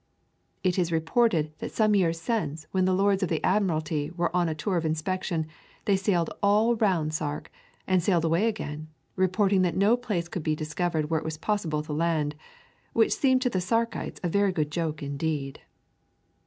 It is reported that some years since when the Lords of the Admiralty were on a tour of inspection they sailed all round Sark and sailed away again, reporting that no place could be discovered where it was possible to land, which seemed to the Sarkites a very good joke indeed.